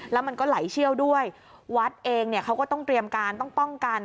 แล้วมันก็ไหลเชี่ยวด้วยวัดเองเนี่ยเขาก็ต้องเตรียมการต้องป้องกัน